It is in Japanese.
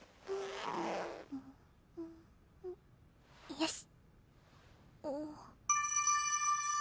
よし！